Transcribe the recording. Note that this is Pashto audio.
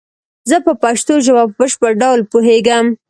زه په پشتو ژبه په بشپړ ډول پوهیږم